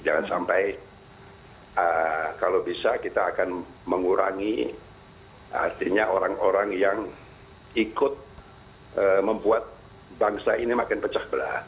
jangan sampai kalau bisa kita akan mengurangi artinya orang orang yang ikut membuat bangsa ini makin pecah belah